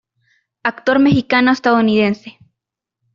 Actor mexicano-estadounidense.